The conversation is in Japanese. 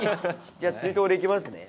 じゃあ続いて俺いきますね。